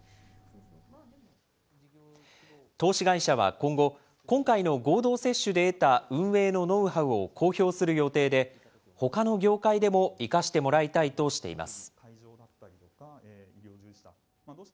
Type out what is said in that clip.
投資会社は今後、今回の合同接種で得た、運営のノウハウを公表する予定で、ほかの業界でも生かしてもらいたいとしています。